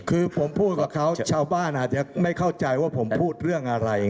คือผมพูดกับเขาชาวบ้านอาจจะไม่เข้าใจว่าผมพูดเรื่องอะไร